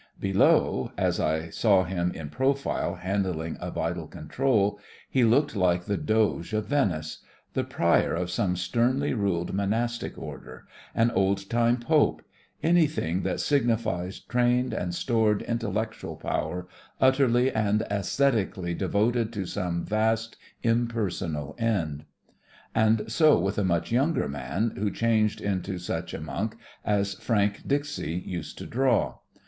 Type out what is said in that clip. Below, as I saw him in profile handling a vital control, he looked like the Doge of Venice; the Prior of some sternly ruled monastic order; an old time Pope — anything that signifies trained and stored mtellectual power utterly and ascetically devoted to some vast impersonal end. And so with a much younger man, who changed into such a monk as Frank Dicksee used to draw.